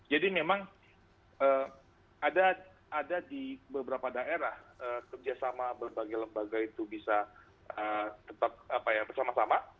jadi memang ada di beberapa daerah kerjasama berbagai lembaga itu bisa tetap sama sama